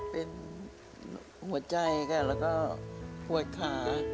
เป็นหัวใจค่ะแล้วก็ปวดขา